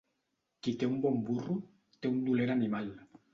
Qui té un bon burro, té un dolent animal.